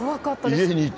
家にいて。